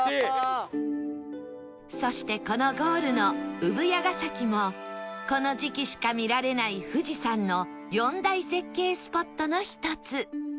そしてこのゴールの産屋ヶ崎もこの時期しか見られない富士山の４大絶景スポットの１つ